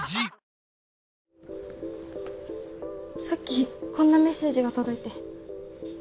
さっきこんなメッセージが届いて。